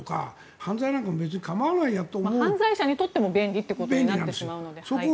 犯罪者にとっても便利なものということになってしまうので。